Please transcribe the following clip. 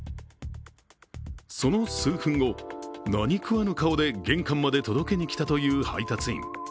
その数分後、何食わぬ顔で玄関まで届けに来たという配達員。